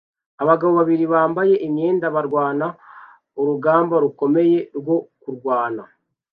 Abagabo babiri bambaye imyenda barwana urugamba rukomeye rwo kurwana